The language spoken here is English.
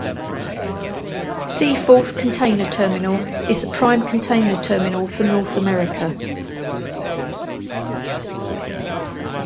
Seaforth container terminal is the prime container terminal for North America.